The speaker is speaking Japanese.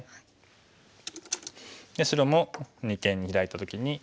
白も二間にヒラいた時に。